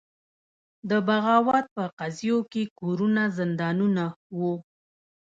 د بغاوت په قضیو کې کورونه زندانونه وو.